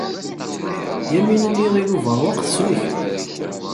Yamina n Yiɣil Ubeṛwaq teslek.